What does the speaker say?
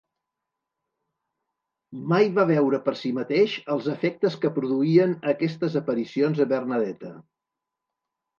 Mai va veure per si mateix els efectes que produïen aquestes aparicions a Bernadeta.